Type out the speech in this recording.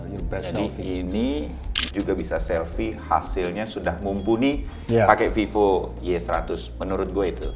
jadi ini juga bisa selfie hasilnya sudah mumpuni pakai vivo y seratus menurut gue itu